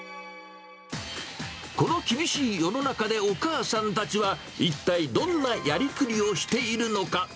この厳しい世の中でお母さんたちは、一体どんなやりくりをしているのか。